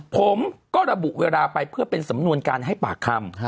ผมก็ระบุเวลาไปเพื่อเป็นสำนวนการให้ปากคำ